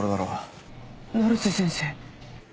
成瀬先生。